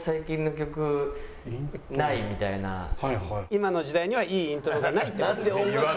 「今の時代にはいいイントロがないって事ですか？」。